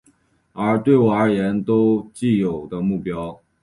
对我而言都有既定的目标